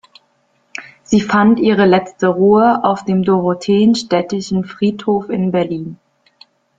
Sie fand ihre letzte Ruhe auf dem Dorotheenstädtischen Friedhof in Berlin.